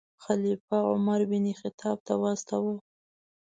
خلیفه عمر بن خطاب ته واستاوه.